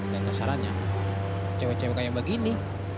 dan kesarannya cewek cewek kayak begini